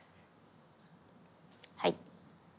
はい。